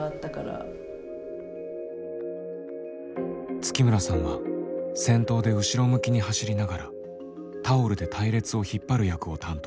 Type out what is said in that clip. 月村さんは先頭で後ろ向きに走りながらタオルで隊列を引っ張る役を担当。